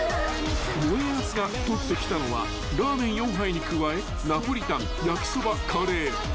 ［もえあずが取ってきたのはラーメン４杯に加えナポリタン焼きそばカレー］